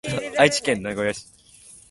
愛知県名古屋市